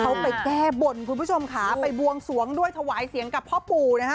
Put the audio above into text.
เขาไปแก้บนคุณผู้ชมค่ะไปบวงสวงด้วยถวายเสียงกับพ่อปู่นะฮะ